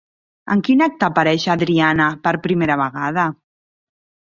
En quin acte apareix Adriana per primera vegada?